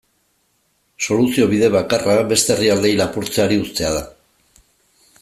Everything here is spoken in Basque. Soluzio bide bakarra beste herrialdeei lapurtzeari uztea da.